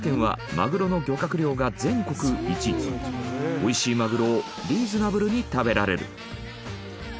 美味しいまぐろをリーズナブルに食べられる。